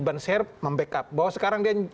ban serp membackup bahwa sekarang dia